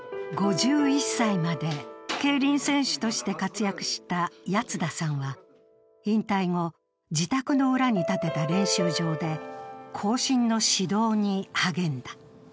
５１歳まで競輪選手として活躍した谷津田さんは、引退後、自宅の裏に建てた練習場で後進の指導に励んだ。